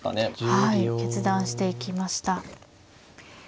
はい決断していきました。